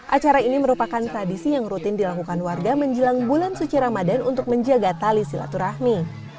acara ini merupakan tradisi yang rutin dilakukan warga menjelang bulan suci ramadan untuk menjaga tali silaturahmi